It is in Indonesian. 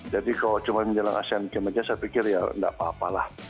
jadi kalau cuma menjelang asean km saja saya pikir ya tidak apa apalah